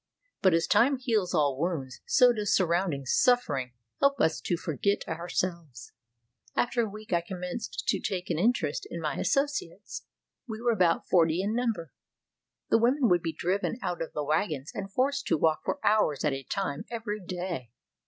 But as time heals all wounds, so does surrounding suffering help us to forget ourselves. After a week I commenced to take an interest in my asso ciates. We were about forty in number. The women i8s RUSSIA would be driven out of the wagons and forced to walk for hours at a time every day.